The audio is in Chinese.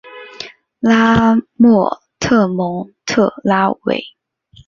拉莫特蒙特拉韦。